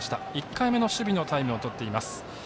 １回目の守備のタイムをとっています。